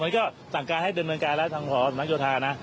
นี่ก็สั่งการให้ดำเนินการรัฐพรภพันธ์บรรคโยธานะ